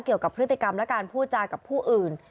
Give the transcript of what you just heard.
เกี่ยวกับพฤติกรรมและการพูดจากับผู้อื่น